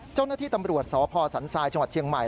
เจ้าหน้าที่ตำรวจสพสันทรายจังหวัดเชียงใหม่